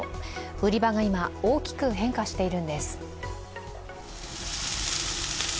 売り場が今、大きく変化しているんです。